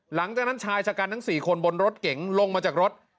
หลังจากนั้นชายชะกันทั้ง๔คนบนรถเก๋งลงมาจากรถ